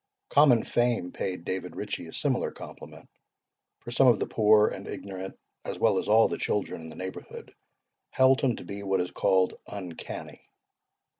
Common fame paid David Ritchie a similar compliment, for some of the poor and ignorant, as well as all the children, in the neighbourhood, held him to be what is called uncanny.